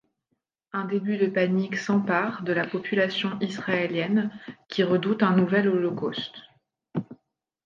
Un début de panique s'empare de la population israélienne qui redoute un nouvel holocauste.